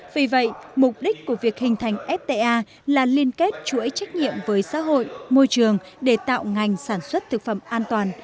vì vậy mục đích của việc hình thành fta là liên kết chuỗi trách nhiệm với xã hội môi trường để tạo ngành sản xuất thực phẩm an toàn